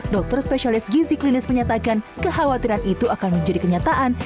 dokter spesialis gizi klinis menyatakan kekhawatiran itu akan menjadi kenyataan